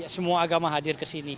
semua agama hadir ke sini